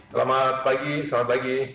selamat pagi selamat pagi